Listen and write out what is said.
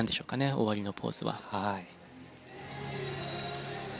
終わりのポーズははい。